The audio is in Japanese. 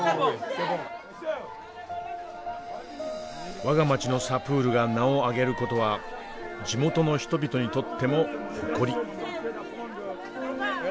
我が街のサプールが名を挙げる事は地元の人々にとっても誇り。